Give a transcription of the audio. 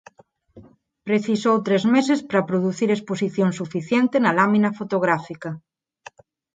Precisou tres meses para producir exposición suficiente na lámina fotográfica.